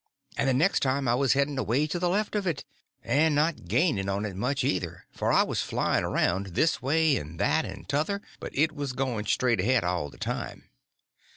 And the next time I was heading away to the left of it—and not gaining on it much either, for I was flying around, this way and that and t'other, but it was going straight ahead all the time.